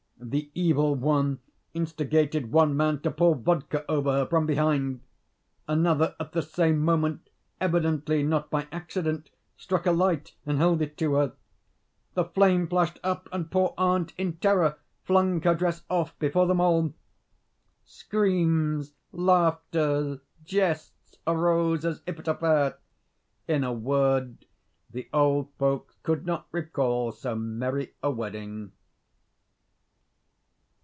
The Evil One instigated one man to pour vodka over her from behind. Another, at the same moment, evidently not by accident, struck a light, and held it to her. The flame flashed up, and poor aunt, in terror, flung her dress off, before them all. Screams, laughter, jests, arose as if at a fair. In a word, the old folks could not recall so merry a wedding.